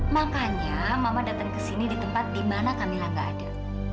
makanya mama datang kesini di tempat dimana kamila gak ada